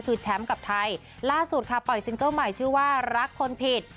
คือแชมป์กับไทยล่าสุดค่ะปล่อยซิงเกิ้ลใหม่ชื่อว่ารักคนผิด